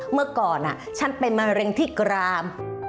เมื่อก่อนฉันเป็นมะเร็งที่กราม